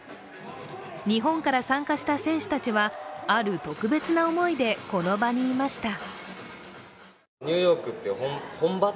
日本から参加した選手たちは、ある特別な思いでこの場にいました。